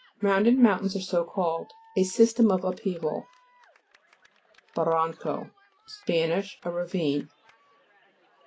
Round ed mountains are so called. A sys tem of upheaval p. 191. BARRA'NCO Sp. A ravine.